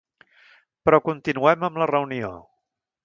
Però continuem amb la reunió.